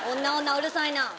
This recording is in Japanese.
うるさいな。